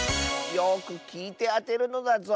よくきいてあてるのだぞ。